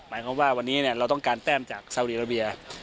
หมายความว่าวันนี้เราต้องการแต้มจากซาวดีราเบีย